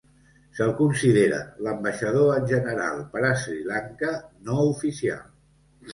Se'l considera l'"ambaixador en general per a Sri Lanka" no oficial.